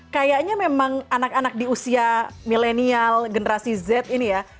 kayaknya memang anak anak di usia milenial generasi z ini ya